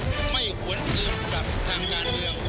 ผมไม่หวนอื่นกับทางงานเดียว